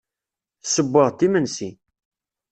Ssewweɣ-d imensi.